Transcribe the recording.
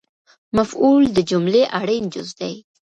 مفعول د جملې اړین جز دئ